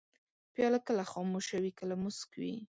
پیاله کله خاموشه وي، کله موسک وي.